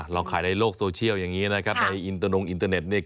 เราขายในโลกโซเชียลอย่างนี้นะครับในอินเตอร์นงอินเตอร์เน็ตเนี่ย